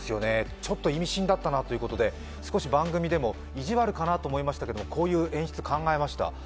ちょっと意味深だったなということで、少し番組でも意地悪かなと思いましたけどこういう演出、考えました。